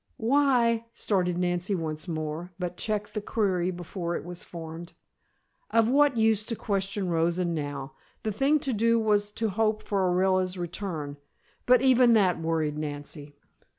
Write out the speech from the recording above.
"Why " started Nancy once more, but checked the query before it was formed. Of what use to question Rosa now? The thing to do was to hope for Orilla's return. But even that worried Nancy.